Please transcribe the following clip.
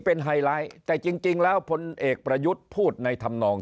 เป็นไฮไลท์แต่จริงแล้วพลเอกประยุทธ์พูดในธรรมนอง